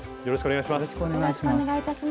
よろしくお願いします。